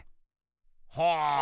ほう。